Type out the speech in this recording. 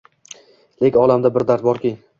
Lek olamda bir dard borki